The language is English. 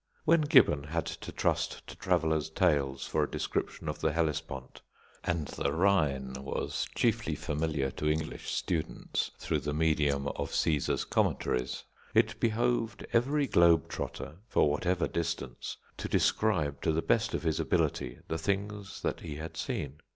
When Gibbon had to trust to travellers' tales for a description of the Hellespont, and the Rhine was chiefly familiar to English students through the medium of Caesar's Commentaries, it behoved every globe trotter, for whatever distance, to describe to the best of his ability the things that he had seen.